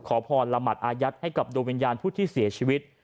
ขอพรละหมัดอายัดให้กับดวงวิญญาณผู้ที่เสียชีวิต